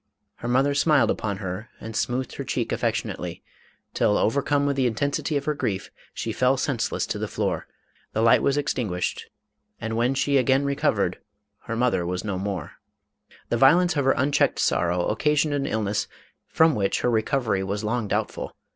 Her mother smiled upon her and smoothed her cheek affec tionately, till overcome with the intensity of her grief, she fell senseless to the floor, the light was extinguished and when she again recovered, her mother was no more. MADAME ROLAND. The violence of her unchecked sorrow occasioned an illness from which her recovery was long doubtful.